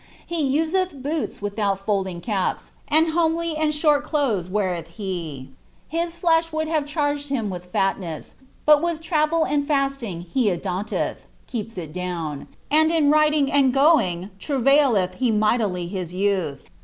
He useih boots without foM iiig cap«, and homely and short clothes wearelh he. Ilia tieab wuuld have charged him with fatness, but with ttsvel and fasting he odaanlcth, I keeps ii down,) and in riding and going tnivailetb he mightily tiis Touih.